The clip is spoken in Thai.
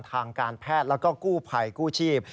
ทางการแพทย์แล้วก็กู้ภัยกู้ชีพ